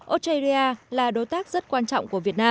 australia là đối tác rất quan trọng